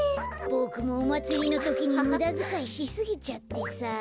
ボクもおまつりのときにむだづかいしすぎちゃってさあ。